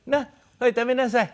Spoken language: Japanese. ほい食べなさい。